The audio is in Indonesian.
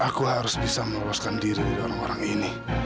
aku harus bisa meloloskan diri dari orang orang ini